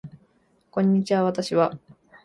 こんにちは私は